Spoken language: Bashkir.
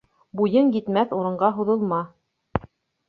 Буйың етмәҫ урынға һуҙылма.